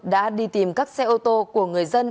đã đi tìm các xe ô tô của người dân